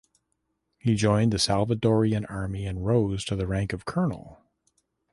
He joined the Salvadoran Army and rose to the rank of Colonel.